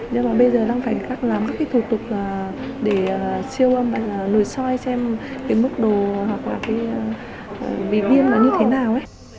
nhưng mà bây giờ đang phải làm các thủ tục để siêu âm nổi soi xem mức độ hoặc bị viêm là như thế nào